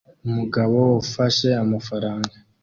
Umugabo ufashe amafaranga